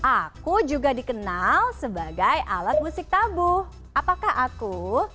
aku juga dikenal sebagai alat musik tabuh apakah aku